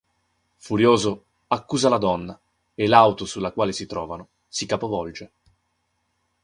Furioso, accusa la donna e l'auto sulla quale si trovano si capovolge.